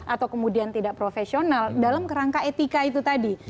atau kemudian tidak profesional dalam kerangka etika itu tadi